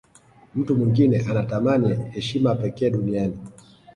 mtu mwingine anatamani heshima pekee duniani